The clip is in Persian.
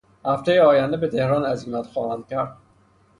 هفتهٔ آینده به تهران عزیمت خواهند کرد.